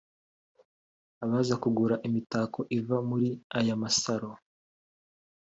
Abaza kugura imitako iva muri aya masaro